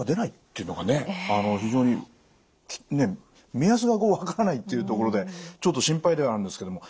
目安が分からないというところでちょっと心配ではあるんですけども。